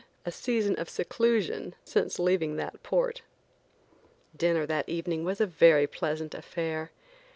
a season of seclusion since leaving that port. Dinner that evening was a very pleasant affair.